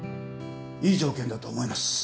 いい条件だと思います。